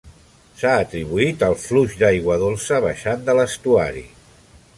S'ha atribuït al fluix d'aigua dolça baixant de l'estuari.